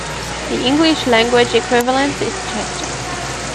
The English-language equivalent is Chester.